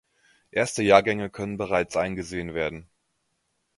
Erste Jahrgänge können bereits eingesehen werden.